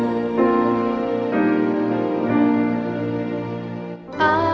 dan ku ikut jejakmu